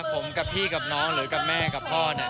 ผมกับพี่กับน้องหรือกับแม่กับพ่อเนี่ย